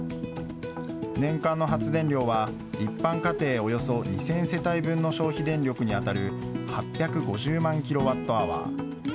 年間の発電量は、一般家庭およそ２０００世帯分の消費電力に当たる８５０万キロワットアワー。